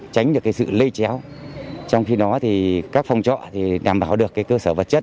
tránh được sự lây chéo trong khi đó thì các phòng trọ đảm bảo được cơ sở vật chất